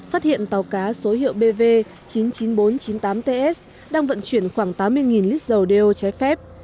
phát hiện tàu cá số hiệu bv chín mươi chín nghìn bốn trăm chín mươi tám ts đang vận chuyển khoảng tám mươi lít dầu đeo trái phép